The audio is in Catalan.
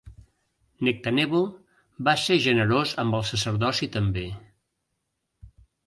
Nectanebo va ser generós amb el sacerdoci també.